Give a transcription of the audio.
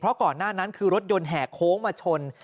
เพราะก่อนหน้านั้นคือรถยนต์แห่โค้งมาชน